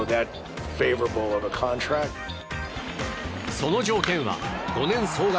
その条件は５年総額